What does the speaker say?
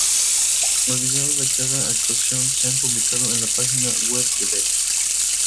Los videos de cada actuación se han publicado en la página web de Beck.